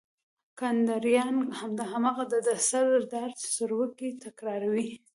کنداريان هماغه د ډر سردار سروکی تکراروي.